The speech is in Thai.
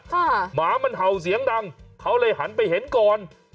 หมามันเห่าเสียงดังเขาเลยหันไปเห็นก่อน